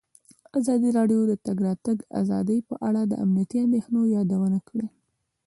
ازادي راډیو د د تګ راتګ ازادي په اړه د امنیتي اندېښنو یادونه کړې.